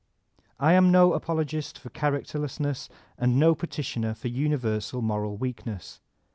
I am no apologist for diaracterlessness, and no petitioner for universal moral weakness.